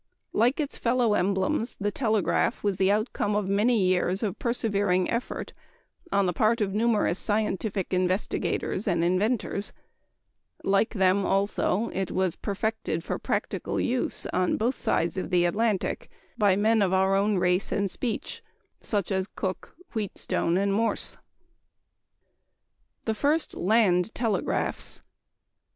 Like its fellow emblems, the telegraph was the outcome of many years of persevering effort on the part of numerous scientific investigators and inventors; like them also, it was perfected for practical use on both sides of the Atlantic by men of our own race and speech, such as Cooke, Wheatstone, and Morse. _The First Land Telegraphs.